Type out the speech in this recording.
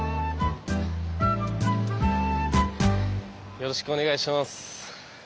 よろしくお願いします。